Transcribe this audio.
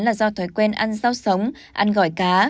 là do thói quen ăn rau sống ăn gỏi cá